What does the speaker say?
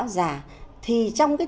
ngã đi chàng ơi